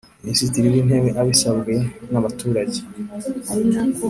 Minisitiri w Intebe abisabwe nabaturage